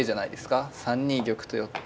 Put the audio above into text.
３二玉と寄って。